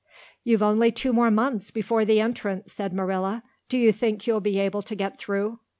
"You've only two more months before the Entrance," said Marilla. "Do you think you'll be able to get through?"